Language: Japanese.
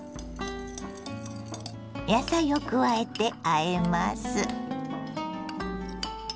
野菜を加えてあえます。